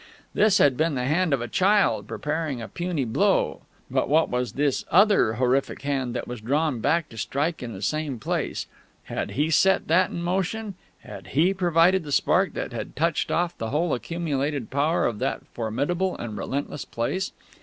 His had been the hand of a child, preparing a puny blow; but what was this other horrific hand that was drawn back to strike in the same place? Had he set that in motion? Had he provided the spark that had touched off the whole accumulated power of that formidable and relentless place?